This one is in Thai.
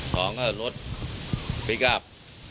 สองก็รถพลิกอัพ